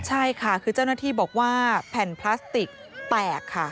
ใช่ค่ะคือเจ้าหน้าที่บอกว่าแผ่นพลาสติกแตกค่ะ